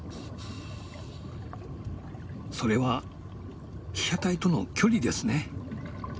それは被写体との距離ですね。